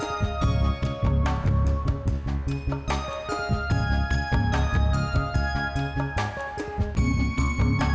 kamu sudah bisa mengambil essekan ar canal daffodil